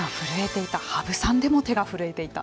羽生さんでも手が震えていた。